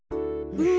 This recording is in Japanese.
うん。